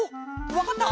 わかった？